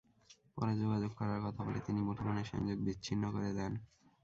পরে যোগাযোগ করার কথা বলে তিনি মুঠোফোনের সংযোগ বিচ্ছিন্ন করে দেন।